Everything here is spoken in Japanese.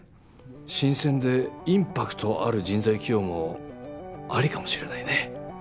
新鮮でインパクトある人材起用もありかもしれないね。